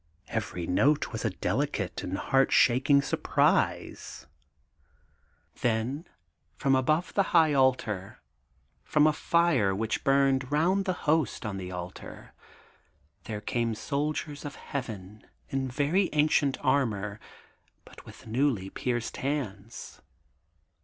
Every note was a delicate and heart shaking surprise. 813 THE GOLDEN BOOK OF SPRINGFIELD Then from above the high altar, from a fire which burned round the Host on the altar, there came soldiers of Heaven, in very ancient armor, but with newly pierced hands.